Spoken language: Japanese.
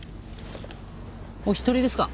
お一人ですか？